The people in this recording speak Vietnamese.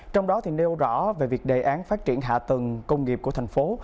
trong đó nêu rõ về việc đề án phát triển hạ tầng công nghiệp của thành phố